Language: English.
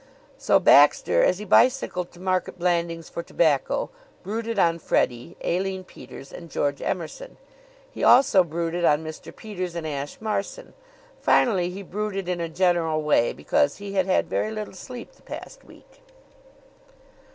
So Baxter, as he bicycled to Market Blandings for tobacco, brooded on Freddie, Aline Peters and George Emerson. He also brooded on Mr. Peters and Ashe Marson. Finally he brooded in a general way, because he had had very little sleep the past week.